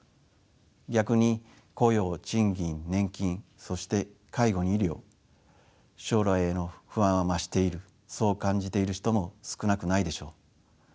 逆に雇用賃金年金そして介護に医療将来への不安は増しているそう感じている人も少なくないでしょう。